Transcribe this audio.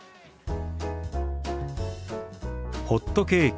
「ホットケーキ」。